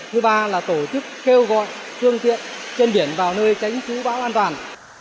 thứ ba là tổ chức kêu gọi phương tiện trên biển vào nơi tránh chú bão an toàn